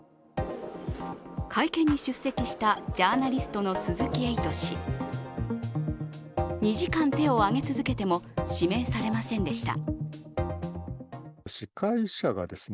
会見に出席したジャーナリストの鈴木エイト氏２時間手を挙げ続けても指名されませんでした。